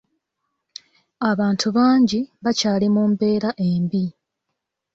Abantu bangi bakyali mu mbeera embi.